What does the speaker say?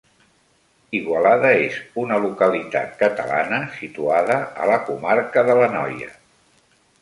Igualada és una localitat catalana situada a la comarca de l'Anoia.